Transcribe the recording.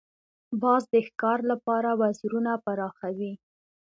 باز د ښکار لپاره وزرونه پراخوي